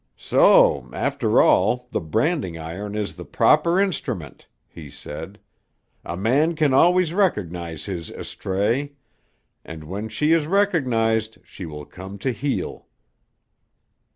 "So, after all, the branding iron is the proper instrument," he said. "A man can always recognize his estray, and when she is recognized she will come to heel."